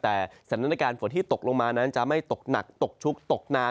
แต่สถานการณ์ฝนที่ตกลงมานั้นจะไม่ตกหนักตกชุกตกนาน